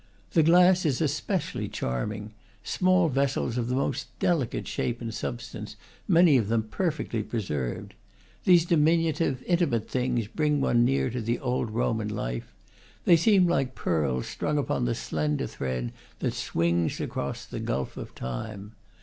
The glass is especially chaming, small vessels of the most delicate shape and substance, many of them perfectly preserved. These diminutive, intimate things bring one near to the old Roman life; they seem like pearls strung upon the slender thread that swings across the gulf of time.